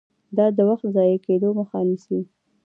دا د وخت د ضایع کیدو مخه نیسي.